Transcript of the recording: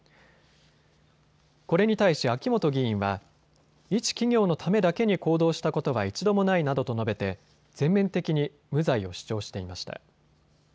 これに対し秋元議員は一企業のためだけに行動したことは一度もないなどと述べて全面的に無罪を主張していました。